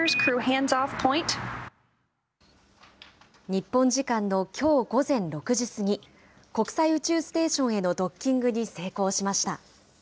日本時間のきょう午前６時過ぎ、国際宇宙ステーションへのドッキングに成功しました。